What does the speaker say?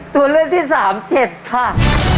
ตัวเลขที่สามเจ็บค่ะ